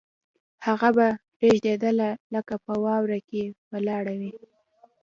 هغه به رېږدېدله لکه په واورو کې ولاړه وي